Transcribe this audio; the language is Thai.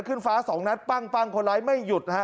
ขึ้นฟ้า๒นัดปั้งคนร้ายไม่หยุดนะครับ